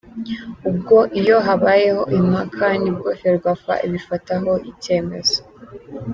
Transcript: Ubwo iyo habayeho impaka nibwo Ferwafa ibifataho icyemezo.